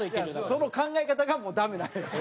その考え方がもうダメなのよ。